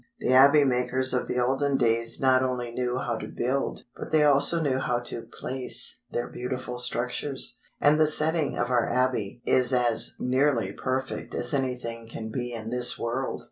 The abbey makers of the olden days not only knew how to build, but they also knew how to "place" their beautiful structures. And the setting of our Abbey is as nearly perfect as anything can be in this world.